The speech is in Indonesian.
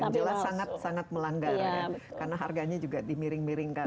jelas sangat melanggar karena harganya juga di miring miringkan